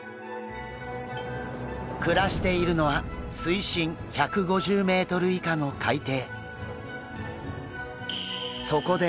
暮らしているのは水深１５０ｍ以下の海底。